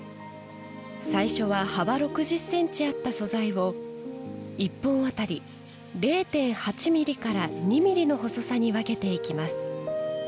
最初は幅６０ｃｍあった素材を１本当たり０．８ｍｍから２ｍｍの細さに分けていきます。